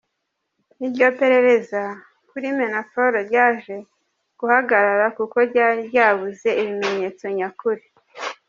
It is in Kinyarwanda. Iryo perereza kuri Manafort ryaje guhagarara kuko ryari ryabuze ibimenyetso nyakuri.